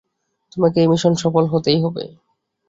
তোমাকে এই মিশন সফল হতেই হবে।